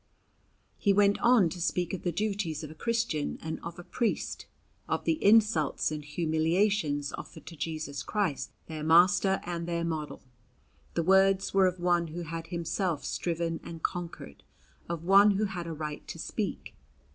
He went on to speak of the duties of a Christian and of a priest; of the insults and humiliations offered to Jesus Christ, their Master and their model. The words were of one who had himself striven and conquered of one who had a right to speak.